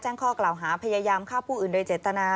ข้อกล่าวหาพยายามฆ่าผู้อื่นโดยเจตนา